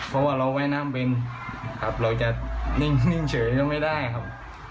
เพราะว่าเราว่ายน้ำเป็นครับเราจะนิ่งเฉยก็ไม่ได้ครับ